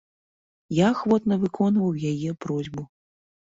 Я ахвотна выконваў яе просьбу.